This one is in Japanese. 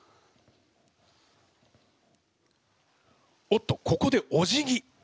おっとここでおじぎ。